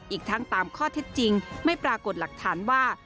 อีกทั้งตามข้อเท็จจริงไม่ปรากฏหลักฐานว่า